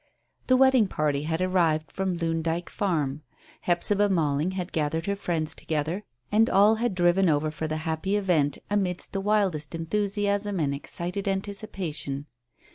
The wedding party had arrived from Loon Dyke Farm. Hephzibah Malling had gathered her friends together, and all had driven over for the happy event amidst the wildest enthusiasm and excited anticipation.